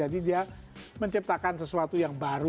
jadi dia menciptakan sesuatu yang baru